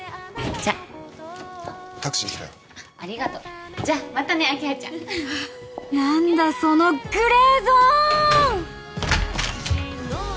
じゃあタクシー来たよありがとうじゃあまたね明葉ちゃん何だそのグレーゾーン！